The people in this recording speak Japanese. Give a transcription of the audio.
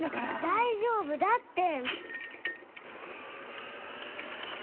大丈夫だって。